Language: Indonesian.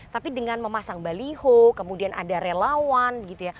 tapi dengan memasang beliho kemudian ada relawan